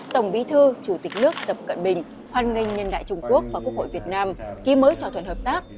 tổng bí thư chủ tịch nước tập cận bình hoan nghênh nhân đại trung quốc và quốc hội việt nam ký mới thỏa thuận hợp tác